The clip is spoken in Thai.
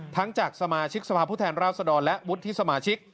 ทั้งจากสมาชิกสภาพภูมิแทนราวสดรและวุฒิสมาชิก